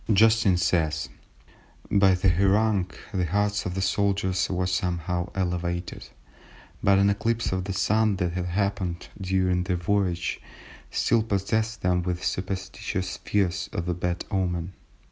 Justin says:— "By the harangue the hearts of the soldiers were somewhat elevated, but an eclipse of the Sun that had happened during their voyage still possessed them with superstitious fears of a bad omen.